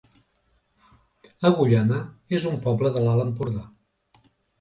Agullana es un poble de l'Alt Empordà